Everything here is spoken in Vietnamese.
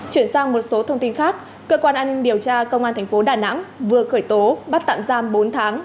chuyển sang một số thông tin khác cơ quan an ninh điều tra công an thành phố đà nẵng vừa khởi tố bắt tạm giam bốn tháng